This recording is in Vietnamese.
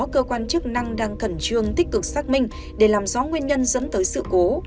cơ quan chức năng đang khẩn trương tích cực xác minh để làm rõ nguyên nhân dẫn tới sự cố